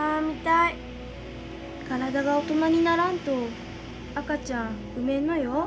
体が大人にならんと赤ちゃん産めんのよ。